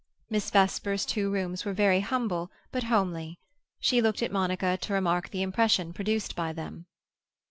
Miss Vesper's two rooms were very humble, but homely. She looked at Monica to remark the impression produced by them.